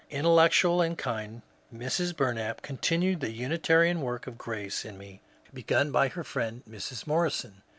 Intellectual and kind Mrs. Bur nap continued the Unitarian work of grace in me begun by her friend Mrs. Morrison.